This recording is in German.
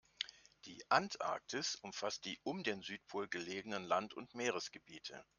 Die Antarktis umfasst die um den Südpol gelegenen Land- und Meeresgebiete.